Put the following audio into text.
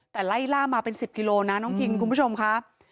แต่ไล่ล่ามาเป็น๑๐กิโลนะน้องคิงคุณผู้ชมค่ะ